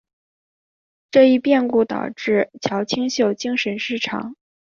这一变故导致乔清秀精神失常。